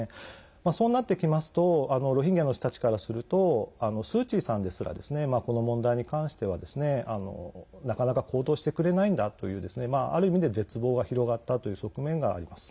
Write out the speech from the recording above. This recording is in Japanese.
そうなってきますとロヒンギャの人たちからするとスー・チーさんですらこの問題に関してはなかなか行動してくれないんだというある意味で絶望が広がったという側面があります。